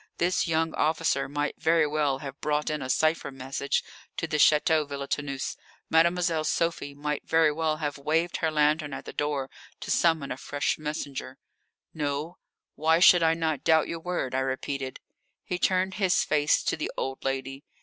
This young officer might very well have brought in a cipher message to the Château Villetaneuse. Mademoiselle Sophie might very well have waved her lantern at the door to summon a fresh messenger. "No; why should I not doubt your word?" I repeated. He turned his face to the old lady.